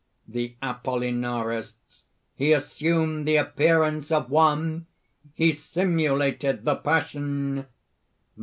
THE APOLLINARISTS. "He assumed the appearance of one! He simulated the Passion!"